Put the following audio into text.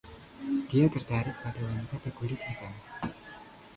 Dia tertarik pada wanita berkulit hitam.